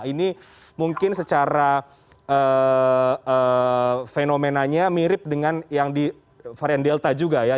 ini mungkin secara fenomenanya mirip dengan yang di varian delta juga ya